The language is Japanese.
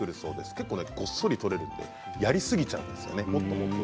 結構ごっそり取れるのでやりすぎちゃうんですよね。